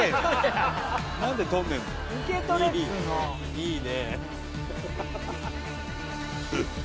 いいね！